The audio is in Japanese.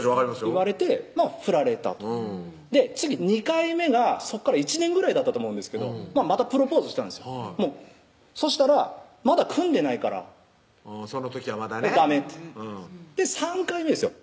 言われて振られたと次２回目がそこから１年ぐらいだったと思うんですけどまたプロポーズしたんですよはいそしたら「まだ組んでないから」その時はまだね「ダメ」って３回目ですよ